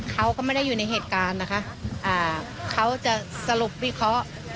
เขาก็ไม่ได้อยู่ในเหตุการณ์นะคะอ่าเขาจะสรุปที่เขา